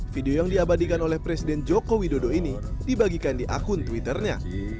video yang diabadikan oleh presiden joko widodo ini dibagikan di akun twitternya